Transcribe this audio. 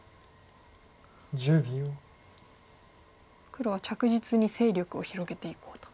黒は着実に勢力を広げていこうと。